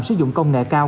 sử dụng công nghệ cao